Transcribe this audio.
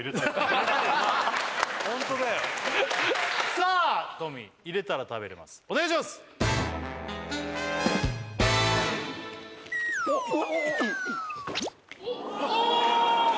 ホントだよさあトミー入れたら食べれますお願いします・おお！